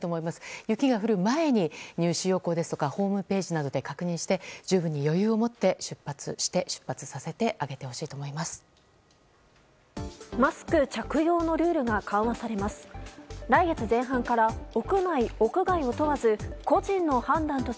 雪が降る前に入試要項ですとかホームページなどで確認して、十分に余裕をもって出発させてあげてほしいとマスク着用のルールが緩和されます。